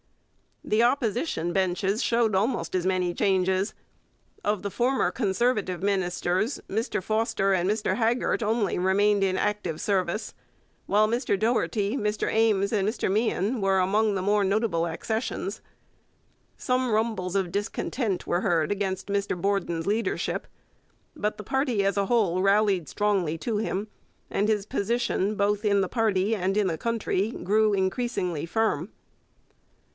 The Opposition benches showed almost as many changes. Of the former Conservative ministers, Mr Foster and Mr Haggart only remained in active service, while Mr Doherty, Mr Ames, and Mr Meighen were among the more notable accessions. Some rumbles of discontent were heard against Mr Borden's leadership, but the party as a whole rallied strongly to him, and his position both in the party and in the country grew increasingly firm.